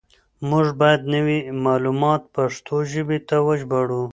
موږ بايد نوي معلومات پښتو ژبې ته وژباړو.